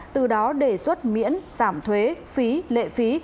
từ đó đề xuất miễn giảm thuế phí lệ phí